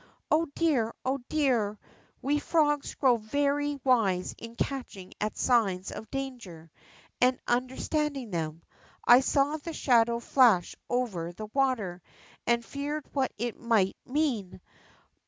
Oh, dear! Oh, dear! We frogs grow very wise in catching at signs of danger and under standing them. I saw the shadow fiash over the water, and feared what it might mean.